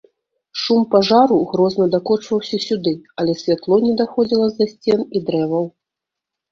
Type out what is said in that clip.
Шум пажару грозна дакочваўся сюды, але святло не даходзіла з-за сцен і дрэваў.